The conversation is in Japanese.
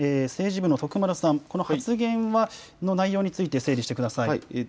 政治部の徳丸さん、この発言の内容について整理してください。